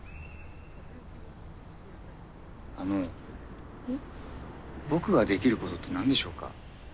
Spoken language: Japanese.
あの僕ができることって何でしょうか？